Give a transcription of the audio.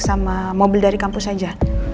sama mobil dari kampus saja